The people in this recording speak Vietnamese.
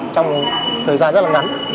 trong thời gian rất là ngắn